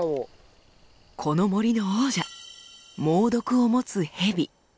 この森の王者猛毒を持つ蛇ハブです。